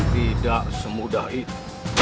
tidak semudah itu